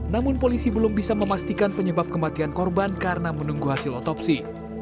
namun polisi belum bisa memastikan penyebab kematian korban karena menunggu hasil otopsi